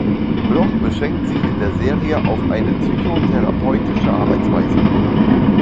Bloch beschränkt sich in der Serie auf eine psychotherapeutische Arbeitsweise.